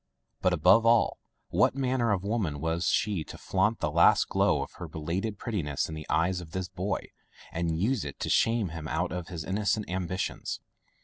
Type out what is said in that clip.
But, above all, what manner of woman was she to flaunt the last glow of her belated prettiness in the eyes of this boy and use it to shame him out of his innocent ambitions!